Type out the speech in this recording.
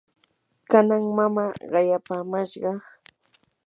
kanan mamaa qayapamashqa